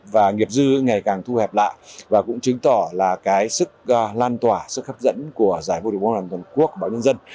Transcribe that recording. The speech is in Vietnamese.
và nghiệp dư ngày càng thu hẹp lạ và cũng chứng tỏ là cái sức lan tỏa sức hấp dẫn của giải vô địch bóng bàn toàn quốc báo nhân dân